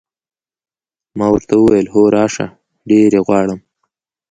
ما ورته وویل: هو، راشه، ډېر یې غواړم.